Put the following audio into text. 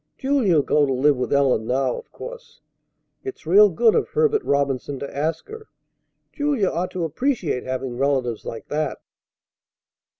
Julia'll go to live with Ellen now, of course. It's real good of Herbert Robinson to ask her. Julia ought to appreciate having relatives like that."